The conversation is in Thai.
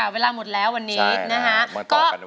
เวลาหมดแล้ววันนี้ก็พรุ่งนี้มาใหม่